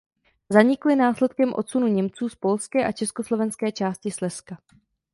Zanikly následkem odsunu Němců z polské a československé části Slezska.